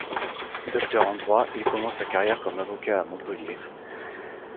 Docteur en droit, il commence sa carrière comme avocat à Montpellier.